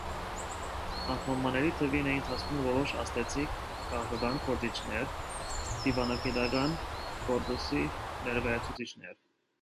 Անգլոմանների թվին էին դասվում որոշ ազդեցիկ քաղաքական գործիչներ, դիվանագիտական կորպուսի ներկայացուցիչներ։